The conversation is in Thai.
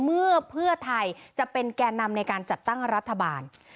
เมื่อเพื่อไทยจะเป็นแก่นำในการจัดตั้งรัฐบาล